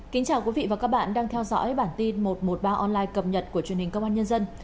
kính chào quý vị và các bạn đang theo dõi bản tin một trăm một mươi ba online cập nhật của truyền hình công an nhân dân